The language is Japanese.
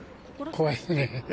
怖いですね。